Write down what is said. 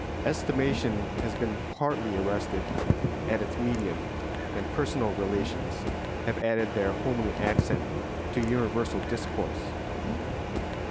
Estimation has been partly arrested at its medium and personal relations have added their homely accent to universal discourse.